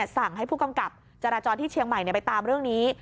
สั่งให้ผู้กำกับจราจรที่เชียงใหม่ไปตามเรื่องนี้